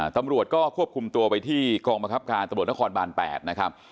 ตำรวจก็ควบคุมตัวไปที่กองบังคับการตำรวจนครบาน๘นะครับ